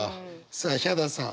さあヒャダさん。